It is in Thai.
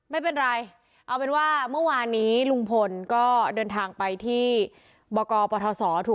ไม่เป็นไรเอาเป็นว่าเมื่อวานนี้ลุงพลก็เดินทางไปที่บกปทศ